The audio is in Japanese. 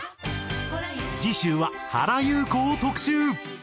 次週は原由子を特集！